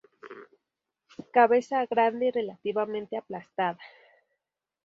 Cabeza grande y relativamente aplastada.